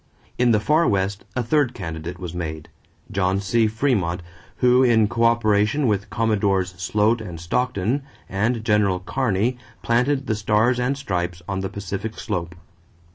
In the Far West a third candidate was made, John C. Frémont, who, in coöperation with Commodores Sloat and Stockton and General Kearney, planted the Stars and Stripes on the Pacific slope.